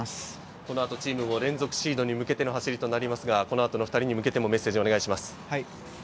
この後チーム、連続シードに向けての走りとなりますが、２人にメッセージをお願いします。